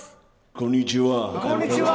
こんにちは。